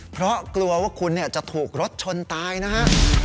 เพราะกลัวว่าคุณจะถูกรถชนตายนะฮะ